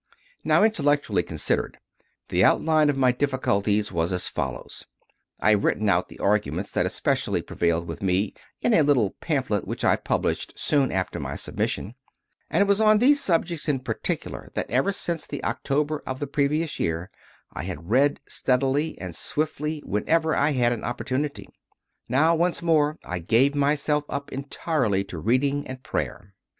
Now, intellectually considered, the outline of my difficulties was as follows I have written out the arguments that especially prevailed with me in a little pamphlet which I published soon after my submission and it was on these subjects in particular that, ever since the October of the pre vious year, I had read steadily and swiftly when ever I had an opportunity. Now once more I gave myself up entirely to reading and prayer.